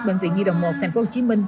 bệnh viện nhi đồng một tp hcm